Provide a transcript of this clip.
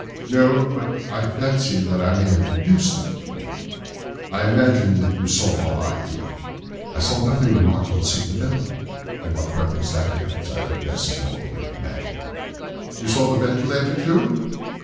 "No, but I fancy that I may have deduced a little more. I imagine that you saw all that I did." "I saw nothing remarkable save the bell rope, and what purpose that could answer I confess is more than I can imagine." "You saw the ventilator, too?"